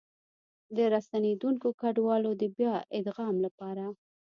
د راستنېدونکو کډوالو د بيا ادغام لپاره